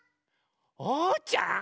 おうちゃん？